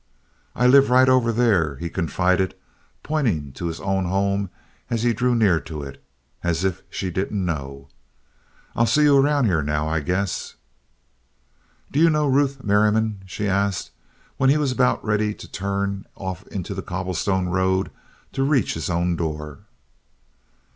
"I live right over there," he confided, pointing to his own home as he drew near to it, as if she didn't know. "I'll see you around here now, I guess." "Do you know Ruth Merriam?" she asked, when he was about ready to turn off into the cobblestone road to reach his own door.